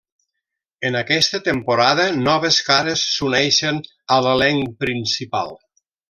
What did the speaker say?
En aquesta temporada noves cares s'uneixen a l'elenc principal.